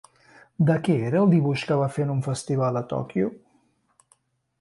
De què era el dibuix que va fer en un festival a Tòquio?